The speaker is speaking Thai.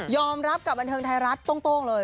รับกับบันเทิงไทยรัฐโต้งเลย